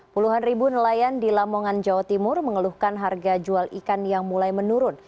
puluhan ribu nelayan di lamongan jawa timur mengeluhkan harga jual ikan yang mulai menurun